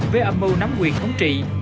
với âm mưu nắm quyền thống trị